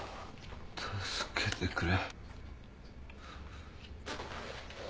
助けてくれ。